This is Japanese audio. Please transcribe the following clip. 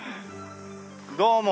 どうも。